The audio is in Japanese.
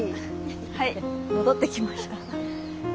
はい戻ってきました。